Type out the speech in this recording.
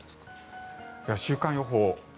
では週間予報。